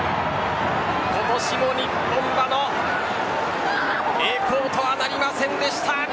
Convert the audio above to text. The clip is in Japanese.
今年も日本馬の栄光とはなりませんでした。